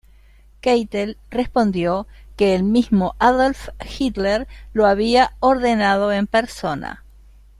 Keitel respondió que el mismo Adolf Hitler lo había ordenado en persona.